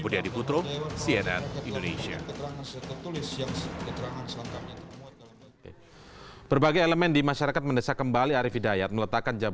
jadi putro siena indonesia